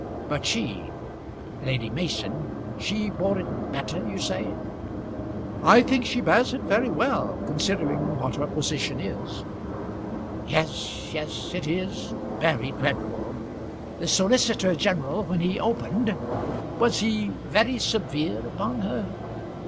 But she Lady Mason she bore it better, you say?" "I think she bears it very well, considering what her position is." "Yes, yes. It is very dreadful. The solicitor general when he opened, was he very severe upon her?"